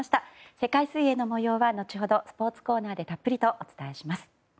世界水泳の模様は後ほどスポーツコーナーでたっぷりとお伝えします。